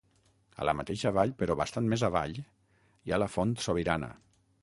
A la mateixa vall, però bastant més avall, hi ha la Font Sobirana.